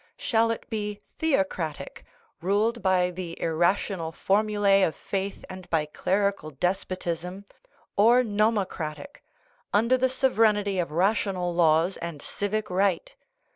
Shall it be theocratic ruled by the irrational formulae of faith and by clerical despotism or nomocratic under the sov ereignty of rational laws and civic right?